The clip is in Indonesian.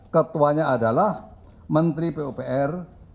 ketuanya adalah menteri pupr